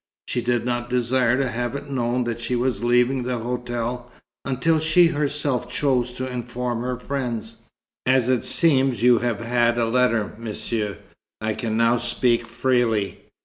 She did not desire to have it known that she was leaving the hotel, until she herself chose to inform her friends. As it seems you have had a letter, Monsieur, I can now speak freely.